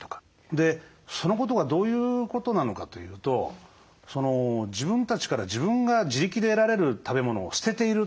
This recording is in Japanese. でそのことがどういうことなのかというと自分たちから自分が自力で得られる食べ物を捨てている。